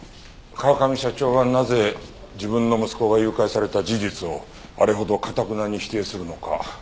川上社長はなぜ自分の息子が誘拐された事実をあれほどかたくなに否定するのか。